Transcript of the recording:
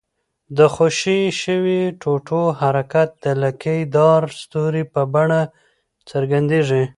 د خوشي شوي ټوټو حرکت د لکۍ داره ستوري په بڼه څرګندیږي.